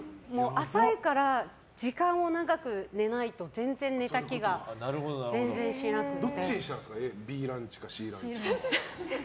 浅いから時間を長く寝ないと全然寝た気がしなくて。